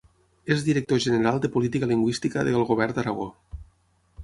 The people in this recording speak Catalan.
És director general de Política Lingüística del Govern d'Aragó.